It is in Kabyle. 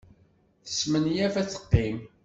Tesmenyaf ad teqqim.